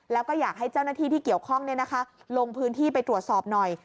แล้วก็อยากให้เจ้าหน้าที่ที่เกี่ยวข้องลงพื้นที่ไปตรวจสอบหน่อย